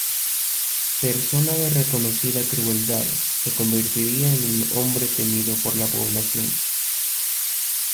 Persona de reconocida crueldad, se convertiría en un hombre temido por la población.